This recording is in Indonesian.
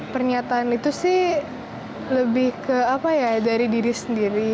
pernyataan itu sih lebih ke apa ya dari diri sendiri